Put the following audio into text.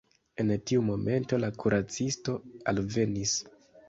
En tiu momento la kuracisto alvenis.